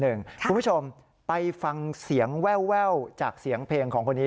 คุณผู้ชมไปฟังเสียงแววจากเสียงเพลงของคนนี้